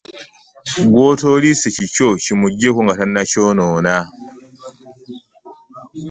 Gwotoliyise kikyo kimugyeko nga tanakyonoona .